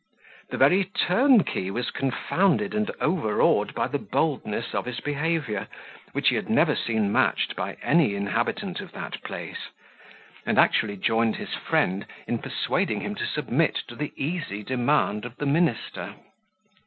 The very turnkey was confounded and overawed by the boldness of his behaviour, which he had never seen matched by any inhabitant of that place; and actually joined his friend in persuading him to submit to the easy demand of the minister.